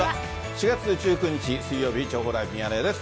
４月１９日水曜日、情報ライブミヤネ屋です。